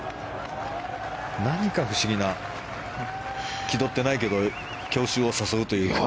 何か不思議なきどってないけど郷愁を誘うというか。